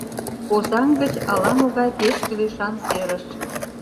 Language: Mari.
— Озаҥ гыч ала-могай пеш кӱлешан серыш